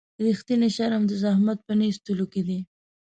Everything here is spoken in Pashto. رښتینی شرم د زحمت په نه ایستلو کې دی.